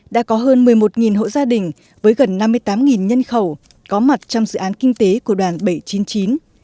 đã có hơn một mươi một hộ gia đình với gần năm mươi tám nhân khẩu có mặt trong dự án kinh tế của đoàn bảy trăm chín mươi chín